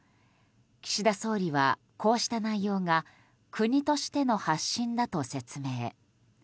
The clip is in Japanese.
岸田総理は、こうした内容が国としての発信だと説明。